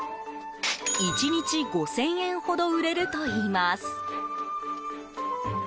１日５０００円ほど売れるといいます。